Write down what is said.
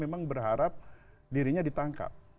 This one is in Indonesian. memang berharap dirinya ditangkap